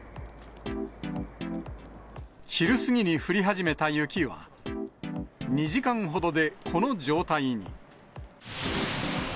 昼過ぎに降り始めた雪は、２時間ほどでこの状態に。